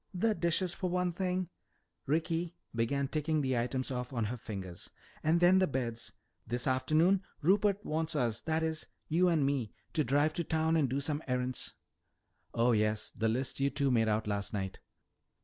"The dishes, for one thing," Ricky began ticking the items off on her fingers, "and then the beds. This afternoon Rupert wants us that is, you and me to drive to town and do some errands." "Oh, yes, the list you two made out last night.